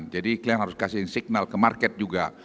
jadi klien harus kasih signal ke market juga